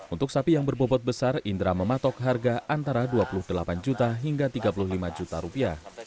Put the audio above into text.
untuk sapi yang berbobot besar indra mematok harga antara dua puluh delapan juta hingga tiga puluh lima juta rupiah